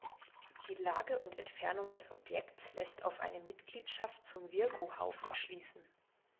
Die Lage und Entfernung des Objekts lässt auf eine Mitgliedschaft zum Virgo-Haufen schließen.